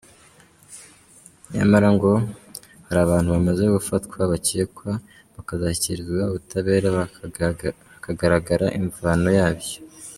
Nyamara ngo hari abantu bamaze gufatwa bakekwa, bakazanashyikirizwa ubutabera hakagaragara imvano yabyo.